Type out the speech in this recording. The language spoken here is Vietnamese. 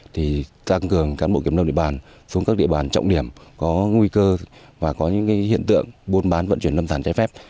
thì tăng cường cán bộ kiểm lâm địa bàn xuống các địa bàn trọng điểm có nguy cơ và có những hiện tượng buôn bán vận chuyển lâm sản trái phép